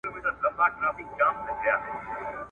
زه اړ نه یم چي مي لوری ستا پر کور کم ,